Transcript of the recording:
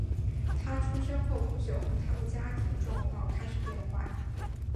他出生后不久他的家庭状况开始变坏。